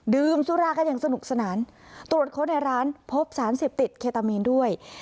ดื่มสุรากันอย่างสนุกสนานตรวจค้นในร้านพบสารเสพติดเคตามีนด้วย